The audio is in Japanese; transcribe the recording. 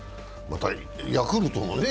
またヤクルトがね。